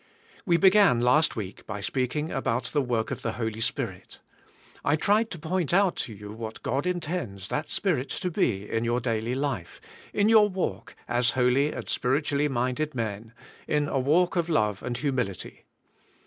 We beg^an last week by speaking about the work of the Holy Spirit. I tried to point out to you what God intends that Spirit to be in your daily life, in your walk as holy and spiritually minded men, in a walk in love and humility.